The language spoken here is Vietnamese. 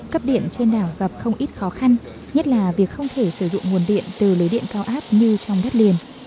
cấp điện trên đảo gặp không ít khó khăn nhất là việc không thể sử dụng nguồn điện từ lưới điện cao áp như trong đất liền